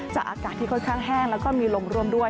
จากอากาศที่ค่อนข้างแห้งแล้วก็มีลมร่วมด้วย